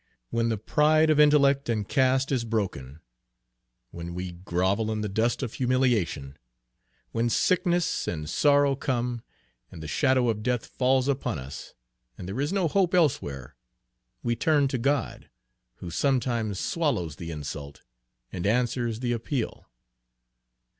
When the pride of intellect and caste is broken; when we grovel in the dust of humiliation; when sickness and sorrow come, and the shadow of death falls upon us, and there is no hope elsewhere, we turn to God, who sometimes swallows the insult, and answers the appeal.